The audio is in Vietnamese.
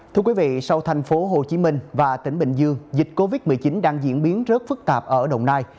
thưa quý vị sau thành phố hồ chí minh và tỉnh bình dương dịch covid một mươi chín đang diễn biến rất phức tạp ở đồng nai